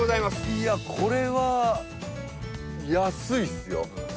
いやこれは安いっすよ。